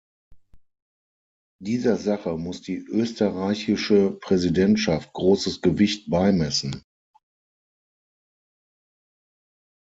Dieser Sache muss die österreichische Präsidentschaft großes Gewicht beimessen.